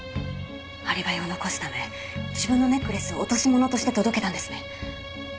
アリバイを残すため自分のネックレスを落とし物として届けたんですね。